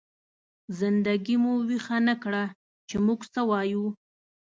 زنده ګي مو ويښه نه کړه، چې موږ څه يو؟!